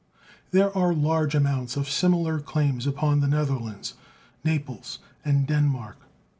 There are large amounts of similar claims upon the Netherlands, Naples, and Denmark.